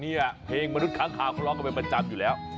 นี่เพลงมนุษย์ขาเขากำลังมาจำอยู่แล้ว